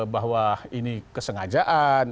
bahwa ini kesengajaan